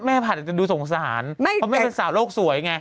แม่ผัดจะดูสงสารเขาไม่เป็นสาวโรคสวยไง